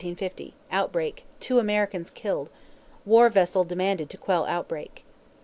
Outbreak; two Americans killed. War vessel demanded to quell outbreak.